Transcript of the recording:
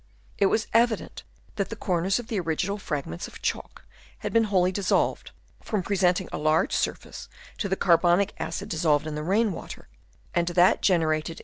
It was evident that the corners of the original fragments of chalk had been wholly dissolved, from pre senting a large surface to the carbonic acid dissolved in the rain water and to that gener Chap.